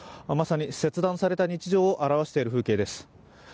まさに切断された日常を表している風景です。